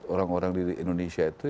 orang orang di indonesia itu